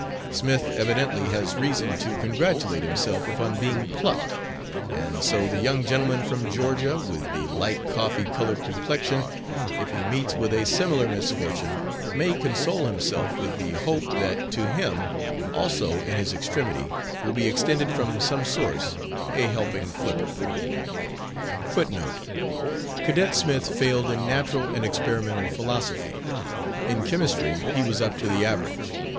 Smith evidently has reason to congratulate himself upon being 'plucked;' and so the young gentleman from Georgia, with the 'light, coffee colored complexion,' if he meets with a similar misfortune, may console himself with the hope that to him also in his extremity will be extended from some source a helping flipper." *Cadet Smith failed in Natural and Experimental Philosophy. In Chemistry he was up to the average.